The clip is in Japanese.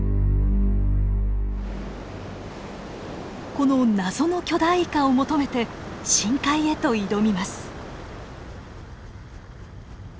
この謎の巨大イカを求めて深海へと挑みます。